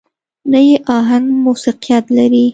نه يې اهنګ موسيقيت لري.